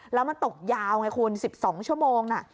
แล้วมันตกยาวไงคุณ๑๒ชั่วโมงน่ะ